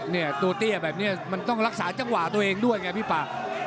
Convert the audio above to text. เนี่ยตัวเตี้ยแบบนี้มันต้องรักษาจังหวะตัวเองด้วยไงพี่ปาก